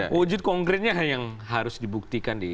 wujud konkretnya yang harus dibuktikan di